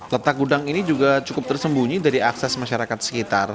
letak gudang ini juga cukup tersembunyi dari akses masyarakat sekitar